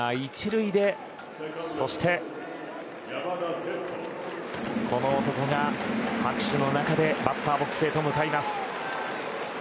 １塁でこの男が拍手の中でバッターボックスへと向かいます。